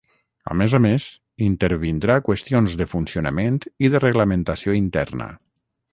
A més a més, intervindrà qüestions de funcionament i de reglamentació interna.